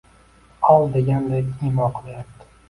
Ol degandek imo qilyapti